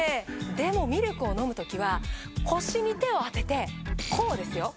でもミルクを飲む時は腰に手を当ててこうですよ。